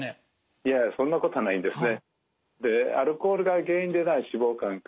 いやそんなことはないんですね。